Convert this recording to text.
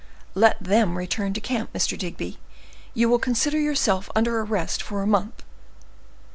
"Let them return to camp. Mr. Digby, you will consider yourself under arrest for a month."